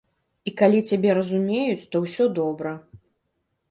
І калі цябе разумеюць, то ўсё добра.